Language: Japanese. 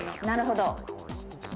なるほど。